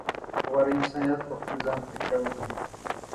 غوره انسانیت په خپل ځان تکیه وکړي.